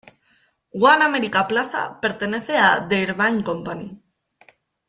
One America Plaza pertenece a The Irvine Company.